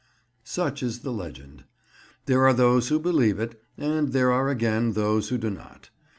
Such is the legend. There are those who believe it, and there are again those who do not.